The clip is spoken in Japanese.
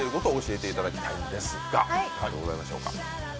いかがでございましょうか？